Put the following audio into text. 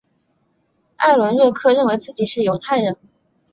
艾伦瑞克认为自己是犹太人。